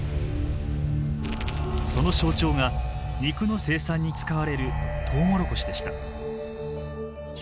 その象徴が肉の生産に使われるトウモロコシでした。